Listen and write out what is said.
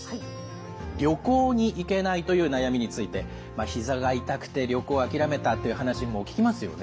「旅行に行けない」という悩みについてひざが痛くて旅行を諦めたという話も聞きますよね。